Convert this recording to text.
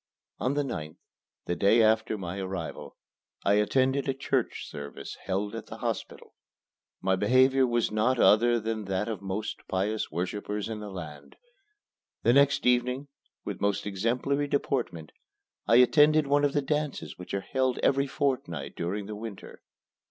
On the 9th, the day after my arrival, I attended a church service held at the hospital. My behavior was not other than that of the most pious worshipper in the land. The next evening, with most exemplary deportment, I attended one of the dances which are held every fortnight during the winter.